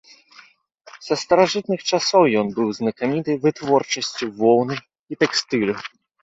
Са старажытных часоў ён быў знакаміты вытворчасцю воўны і тэкстылю.